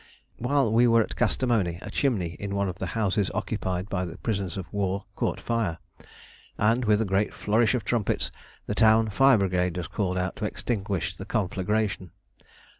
While we were at Kastamoni, a chimney in one of the houses occupied by the prisoners of war caught fire, and, with a great flourish of trumpets, the town fire brigade was called out to extinguish the conflagration.